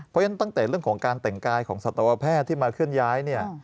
เพราะฉะนั้นตั้งแต่เรื่องของการแต่งกายของสัตวแพทย์ที่มาเคลื่อนย้ายเนี่ย